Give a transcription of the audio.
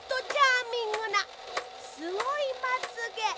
すごいまつげ！